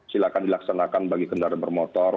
silakan dilaksanakan bagi kendaraan bermotor